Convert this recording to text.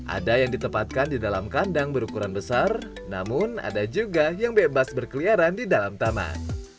ada yang ditempatkan di dalam kandang berukuran besar namun ada juga yang bebas berkeliaran di dalam taman